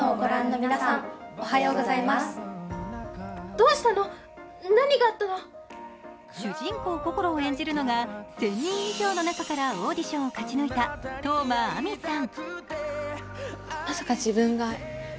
そして主人公・こころを演じるのが１０００人以上の中からオーディションを勝ち抜いた當真あみさん。